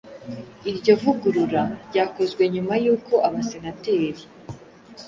Iryo vugurura ryakozwe nyuma y’uko Abasenateri